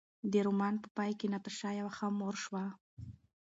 د رومان په پای کې ناتاشا یوه ښه مور شوه.